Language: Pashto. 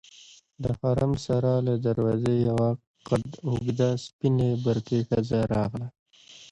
د حرم سرا له دروازې یوه قد اوږده سپینې برقعې ښځه راغله.